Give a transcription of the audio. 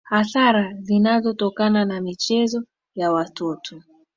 Hasara zinazotokana na michezo ya watoto